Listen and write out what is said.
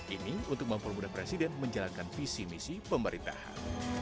ini untuk mempermudah presiden menjalankan visi misi pemerintahan